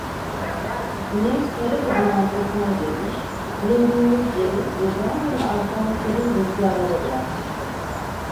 Güneş Sarıkız'ın arkasına girmiş, bulunduğumuz yeri birdenbire artan serin rüzgarlara bırakmıştı.